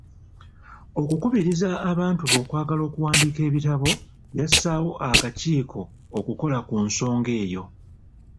Okukubiriza abantu be okwagala okuwandiika ebitabo yassaawo akakiiko okukola ku nsonga eyo.